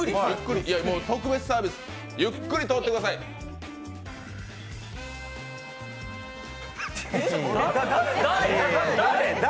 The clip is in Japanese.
特別サービス、ゆっくり通ってください。誰！？